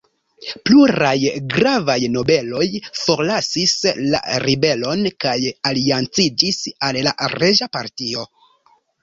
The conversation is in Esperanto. Pluraj gravaj nobeloj forlasis la ribelon kaj alianciĝis al la reĝa partio.